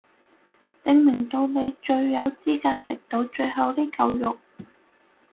證明到你最有資格食到最後呢嚿肉